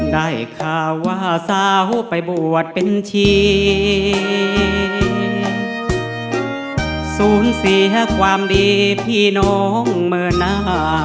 ได้ข่าวว่าสาวไปบวชเป็นชีสูญเสียความดีพี่น้องเมื่อหน้า